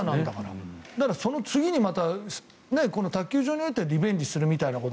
その次にこの卓球場においてはリベンジするみたいなこと。